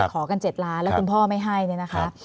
ขอกัน๗ล้านบาทแล้วคุณพ่อไม่ให้